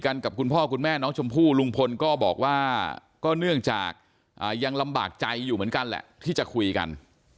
ก็เนื่องจากยังลำบากใจอยู่เหมือนกันแหละที่จะคุยกัน